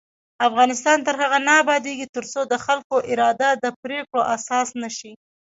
افغانستان تر هغو نه ابادیږي، ترڅو د خلکو اراده د پریکړو اساس نشي.